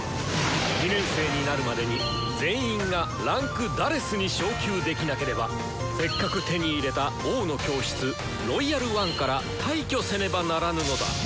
２年生になるまでに全員が位階「４」に昇級できなければせっかく手に入れた「王の教室」「ロイヤル・ワン」から退去せねばならぬのだ！